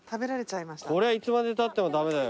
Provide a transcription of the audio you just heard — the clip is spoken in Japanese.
こりゃいつまでたっても駄目だよ。